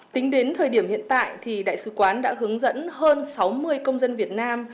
tính đến thời điểm hiện tại thì đại sứ quán đã hướng dẫn hơn sáu mươi công dân việt nam